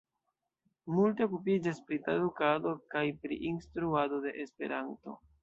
Multe okupiĝas pri tradukado kaj pri instruado de Esperanto.